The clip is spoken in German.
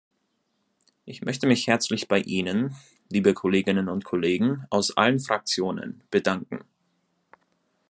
Ich möchte mich herzlich bei Ihnen, liebe Kolleginnen und Kollegen aus allen Fraktionen, bedanken.